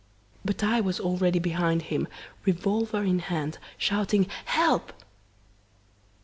But I was already behind him, revolver in hand, shouting 'Help!